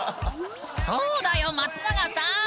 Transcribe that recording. そうだよ松永さん！